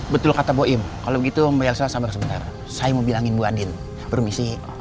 betul kata boim kalau begitu mbak elsa sabar sebentar saya mau bilangin bu andin permisi